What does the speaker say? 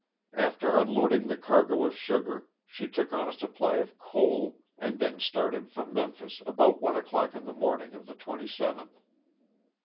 After unloading the cargo of sugar she took on a supply of coal, and then started from Memphis about one o'clock in the morning of the 27th.